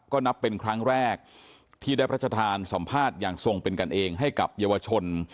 ก็นับเป็นครั้งแรกที่ได้พระชธานสัมภาษณ์อย่างทรงเป็นกันเองให้กับเยาวชน